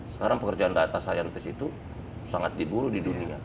sekarang pekerjaan data saintis itu sangat diburu di dunia